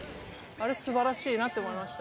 あれ素晴らしいなって思いました。